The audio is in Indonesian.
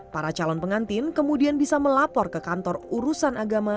para calon pengantin kemudian bisa melapor ke kantor urusan agama